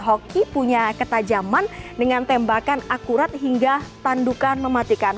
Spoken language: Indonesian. hoki punya ketajaman dengan tembakan akurat hingga tandukan mematikan